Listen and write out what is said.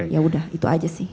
ya udah itu aja sih